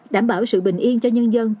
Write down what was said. đảm bảo sự bình yên cho nhân dân